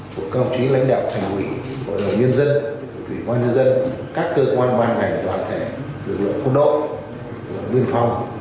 của công chí lãnh đạo thành quỷ của lãnh đạo nhân dân quỷ quan nhân dân các cơ quan ban ngành đoàn thể lực lượng quân đội lực lượng nguyên phong